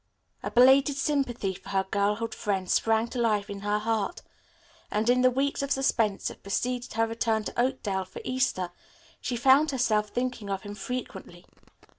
A belated sympathy for her girlhood friend sprang to life in her heart, and in the weeks of suspense that preceded her return to Oakdale for Easter she found herself thinking of him frequently.